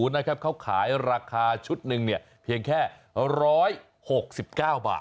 ๐๕๔๘๘๓๕๑๐นะครับเขาขายราคาชุดหนึ่งเนี่ยเพียงแค่๑๖๙บาท